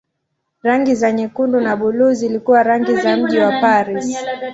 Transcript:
Rangi za nyekundu na buluu zilikuwa rangi za mji wa Paris.